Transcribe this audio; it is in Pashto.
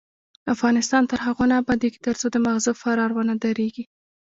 افغانستان تر هغو نه ابادیږي، ترڅو د ماغزو فرار ونه دریږي.